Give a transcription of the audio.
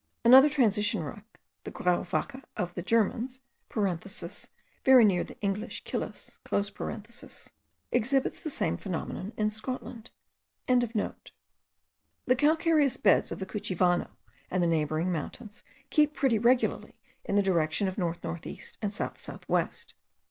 Another transition rock, the grauwakke of the Germans (very near the English killas), exhibits the same phenomenon in Scotland.) The calcareous beds of the Cuchivano and the neighbouring mountains keep pretty regularly the direction of north north east and south south west.